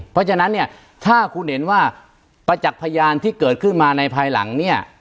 เพราะฉะนั้นเนี่ยถ้าคุณเห็นว่าประจักษ์พยานที่เกิดขึ้นมาในภายหลังเนี่ย